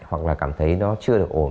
hoặc là cảm thấy nó chưa được ổn